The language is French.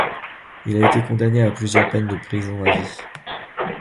Il a été condamné à plusieurs peines de prison à vie.